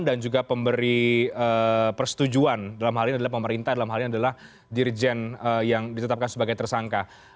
dan juga pemberi persetujuan dalam hal ini adalah pemerintah dalam hal ini adalah dirjen yang ditetapkan sebagai tersangka